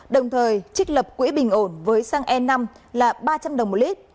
đồng thời trích lập quỹ bình ổn với xăng e năm là ba trăm linh đồng một lít